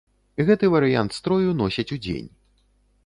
Гэты варыянт строю носяць удзень.